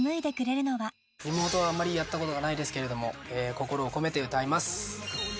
リモートはあんまりやったことがないですけれども心を込めて歌います。